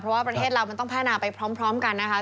เพราะว่าประเทศเรามันต้องพัฒนาไปพร้อมกันนะคะ